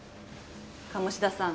鴨志田さん